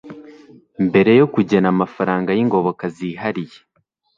mbere yo kugena amafaranga y ingoboka zihariye